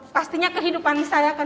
pastinya kehidupan saya